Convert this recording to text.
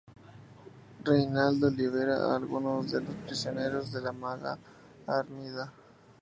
Reinaldo libera a algunos de los prisioneros de la maga Armida.